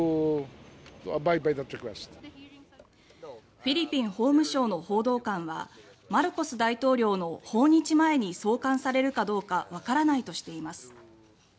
フィリピン法務省の報道官はマルコス大統領の訪日前に送還されるかどうかわからないとしています。